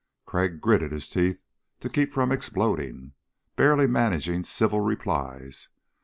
Crag gritted his teeth to keep from exploding, barely managing civil replies.